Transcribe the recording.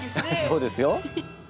そうですよ。